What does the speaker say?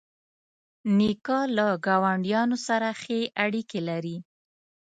نیکه له ګاونډیانو سره ښې اړیکې لري.